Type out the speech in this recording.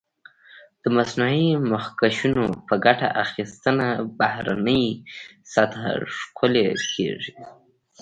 د مصنوعي مخکشونو په ګټه اخیستنه بهرنۍ سطحه ښکلې کېږي.